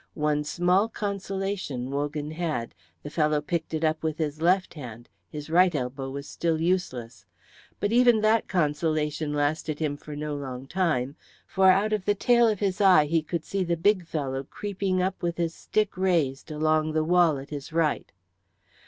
One small consolation Wogan had; the fellow picked it up with his left hand, his right elbow was still useless. But even that consolation lasted him for no long time, for out of the tail of his eye he could see the big fellow creeping up with his stick raised along the wall at his right.